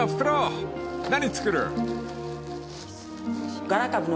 何作る？］